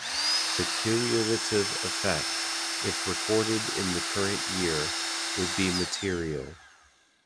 The cumulative effect, if recorded in the current year, would be material.